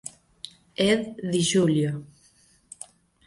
Ed Di Giulio.